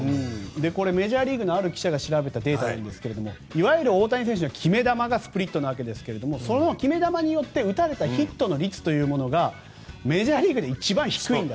これ、メジャーリーグのある記者が調べたデータですが大谷選手の決め球がスプリットですけどその決め球によって打たれたヒットの率がメジャーリーグで一番低い。